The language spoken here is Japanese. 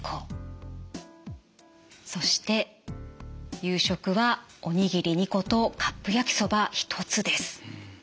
そして夕食はおにぎり２個とカップ焼きそば１つです。